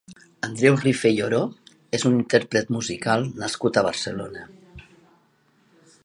Andreu Rifé i Oro és un intérpret musical nascut a Barcelona.